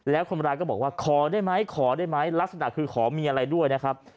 แล้วคนร้ายก็บอกว่าขอได้ไหมขอได้ไหมลักษณะคือขอมีอะไรด้วยนะครับ